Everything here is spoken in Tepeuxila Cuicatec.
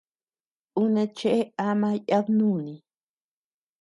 Uu neé cheʼe ama yadnuni.